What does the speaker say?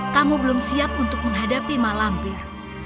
kamu belum siap untuk menghadapi malampir